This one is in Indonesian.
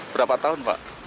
berapa tahun pak